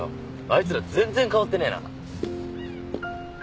あいつら全然変わってねえな。